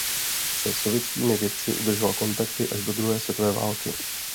Se sovětskými vědci udržoval kontakty až do druhé světové války.